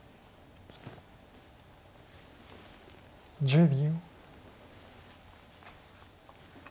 １０秒。